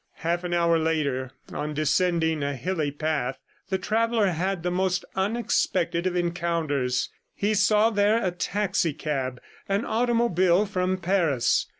Half an hour later, on descending a hilly path, the traveller had the most unexpected of encounters. He saw there a taxicab, an automobile from Paris.